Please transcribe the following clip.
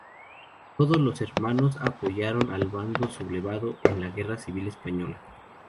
Todos los hermanos apoyaron al Bando sublevado en la Guerra Civil Española.